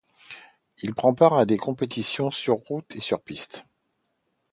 Il prend part à des compétitions sur route et sur piste.